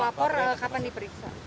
pelapor kapan diperiksa